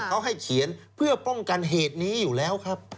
เขาให้เขียนเพื่อป้องกันเหตุนี้อยู่แล้วครับ